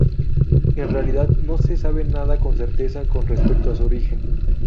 En realidad, no se sabe nada con certeza con respecto a su origen.